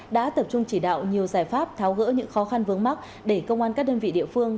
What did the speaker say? đã tập trung chỉ đạo nhiều giải pháp tháo gỡ những khó khăn vướng mắt để công an các đơn vị địa phương